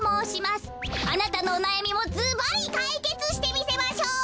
あなたのおなやみもずばりかいけつしてみせましょう！